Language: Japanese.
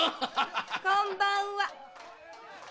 こんばんは。